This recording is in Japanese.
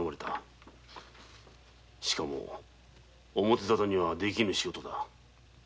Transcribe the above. しかも表ざたには出来ぬ仕事だ。